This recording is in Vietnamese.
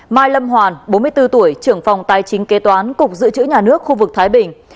mai lâm hoàn bốn mươi bốn tuổi trưởng phòng tài chính kế toán cục dự trữ nhà nước khu vực thái bình